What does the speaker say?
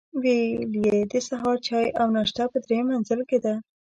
ویل یې د سهار چای او ناشته په درېیم منزل کې ده.